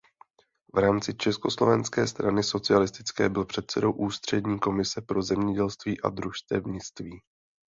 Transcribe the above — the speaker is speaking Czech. V rámci Československé strany socialistické byl předsedou ústřední komise pro zemědělství a družstevnictví.